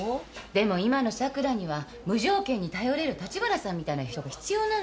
・でも今の桜には無条件に頼れる立花さんみたいな人が必要なのよ。